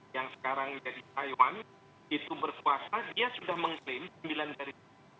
yang sekarang jadi taiwan itu berkuasa dia sudah mengklaim sembilan dari